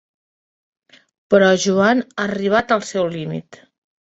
Però Joan ha arribat al seu límit.